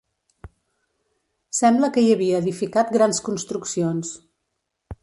Sembla que hi havia edificat grans construccions.